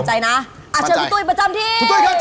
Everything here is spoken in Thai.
เชิญพี่ตุ้ยประจำที่